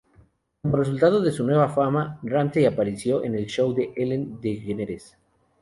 Como resultado de su nueva fama, Ramsey apareció en el Show de Ellen DeGeneres.